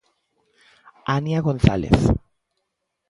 Ania González.